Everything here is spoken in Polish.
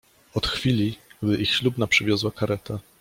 Od chwili, gdy ich ślubna przywiozła kareta